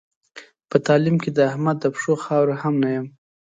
په تعلیم کې د احمد د پښو خاوره هم نه یم.